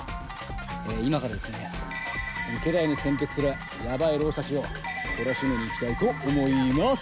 ええ、今からですね池田屋に潜伏するやばい浪士たちをこらしめに行きたいと思います。